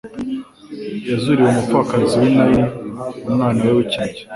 Yazuriye umupfakazi w'i Naini, umwana we w'ikinege;